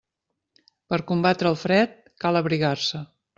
Per combatre el fred, cal abrigar-se.